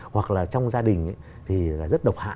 hoặc là trong gia đình thì rất độc hại